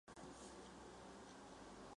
这三个国家分别为阿根廷。